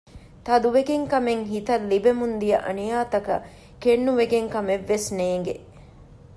ތަދުވެގެން ކަމެއް ހިތަށް ލިބެމުންދިޔަ އަނިޔާތަކަށް ކެތްނުވެގެން ކަމެއް ވެސް ނޭންގެ